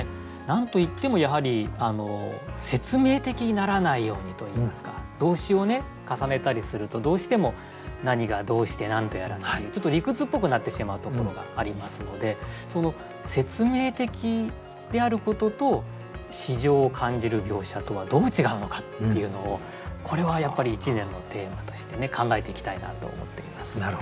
何と言ってもやはり説明的にならないようにといいますか動詞を重ねたりするとどうしても何がどうして何とやらというちょっと理屈っぽくなってしまうところがありますのでその説明的であることと詩情を感じる描写とはどう違うのかっていうのをこれはやっぱり一年のテーマとして考えていきたいなと思っています。